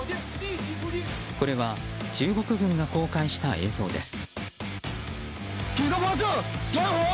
これは中国軍が公開した映像です。